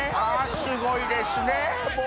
「あっすごいですね」